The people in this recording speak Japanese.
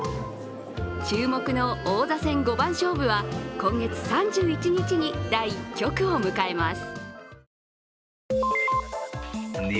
注目の王座戦五番勝負は今月３１日に第１局を迎えます。